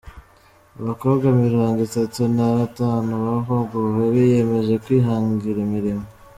Abakobwa mirongo itatu na batanu bahuguwe biyemeje kwihangira imirimo